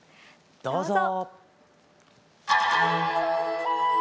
どうぞ！